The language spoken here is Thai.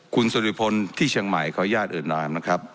คุณสริพลที่ช่างใหม่เขาญาติอื่นร้านนะครับ